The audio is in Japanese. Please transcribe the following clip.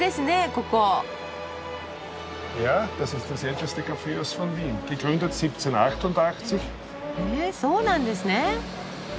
ここ。へそうなんですね。